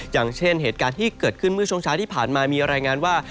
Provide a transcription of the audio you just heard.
อย่างเช่นเหตุการณ์ที่เกิดขึ้นเมื่อช่วงเช้าที่ผ่านมามีรายงานว่า